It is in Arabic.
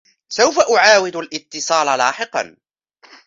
سوف أعاود الإتصالَ لاحقاً.